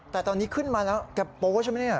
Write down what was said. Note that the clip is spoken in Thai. แต่ตอนนี้ขึ้นมาแล้วแกโป๊ใช่ไหมเนี่ย